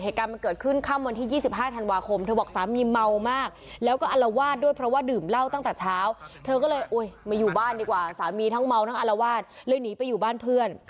เหตุการณ์มันเกิดขึ้นคำวันที่๒๕ธน